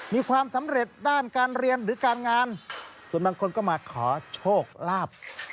มีความสำเร็จด้านการเรียนหรือการงานส่วนบางคนก็มาขอโชคลาภ